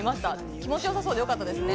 気持ち良さそうでよかったですね。